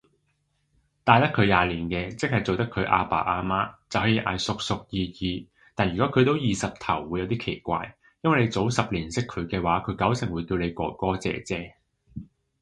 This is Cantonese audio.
大得佢廿年嘅，即係做得佢阿爸阿媽，就可以嗌叔叔姨姨，但如果佢都二十頭會有啲奇怪，因為你早十年識佢嘅話佢九成會叫你哥哥姐姐